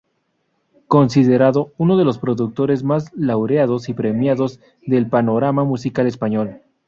Considerado uno de los productores más laureados y premiados del panorama musical español.